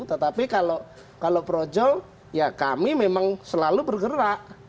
tetapi kalau projo ya kami memang selalu bergerak